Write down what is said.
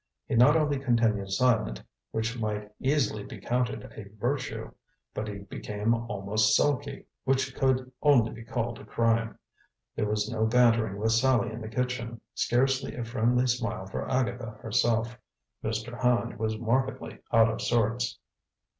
He not only continued silent, which might easily be counted a virtue, but he became almost sulky, which could only be called a crime. There was no bantering with Sallie in the kitchen, scarcely a friendly smile for Agatha herself. Mr. Hand was markedly out of sorts.